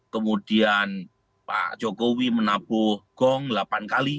kemudian pak jokowi menabuh gong delapan kali